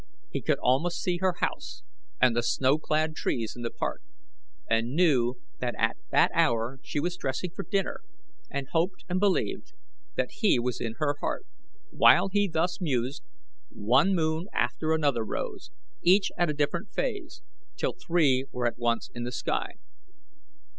He could almost see her house and the snow clad trees in the park, and knew that at that hour she was dressing for dinner, and hoped and believed that he was in her heart. While he thus mused, one moon after another rose, each at a different phase, till three were at once in the sky.